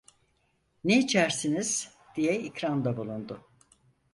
"Ne içersiniz?" diye ikramda bulundu.